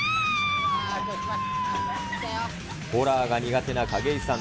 ホラーが苦手な景井さん。